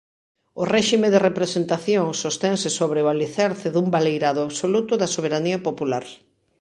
O réxime de representación sostense sobre o alicerce dun baleirado absoluto da soberanía popular.